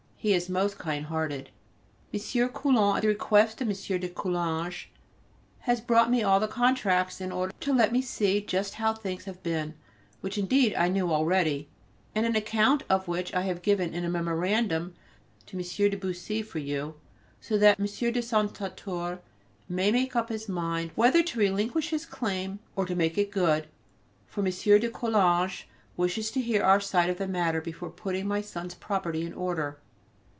He is most kind hearted.... M. Coulon, at the request of M. de Coulanges, has brought me all the contracts, in order to let me see just how things have been, which indeed I knew already, and an account of which I have given in a memorandum to M. de Bussy for you, so that M. de Saint Satur may make up his mind either to relinquish his claim or to make it good: for M. de Coulanges wishes to hear our side of the matter before putting my son's property in order.